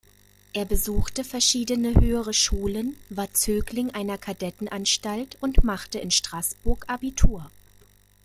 Er besuchte verschiedene höhere Schulen, war Zögling einer Kadettenanstalt und machte in Straßburg Abitur.